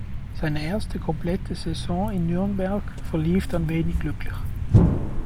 Seine erste komplette Saison in Nürnberg verlief dann wenig glücklich.